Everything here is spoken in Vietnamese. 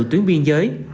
tuyến biên giới